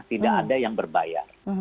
tidak ada yang berbayar